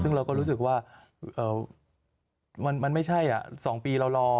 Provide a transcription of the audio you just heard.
ซึ่งเราก็รู้สึกว่ามันไม่ใช่๒ปีเรารอ